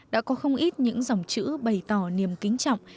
đã có không ít những dòng chữ bày tỏ niềm kính trọng